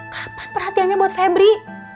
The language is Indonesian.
kapan perhatiannya buat febri